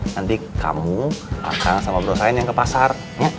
nanti kamu akan sama bro sain yang ke pasar